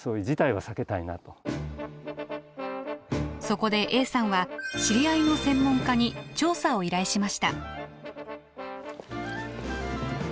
そこでＡさんは知り合いの専門家に調査を依頼しました。